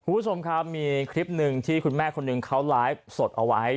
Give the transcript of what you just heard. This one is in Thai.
คุณผู้ชมครับมีคลิปหนึ่งที่คุณแม่คนหนึ่งเขาไลฟ์สดเอาไว้